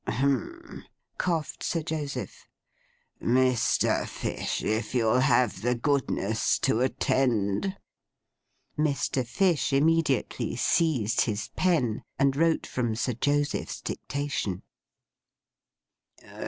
'Hem!' coughed Sir Joseph. 'Mr. Fish, if you'll have the goodness to attend—' Mr. Fish immediately seized his pen, and wrote from Sir Joseph's dictation.